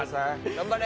頑張れ！